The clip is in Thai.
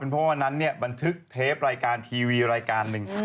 เพราะวันนั้นบันทึกเทปรายการทีวีรายการหนึ่ง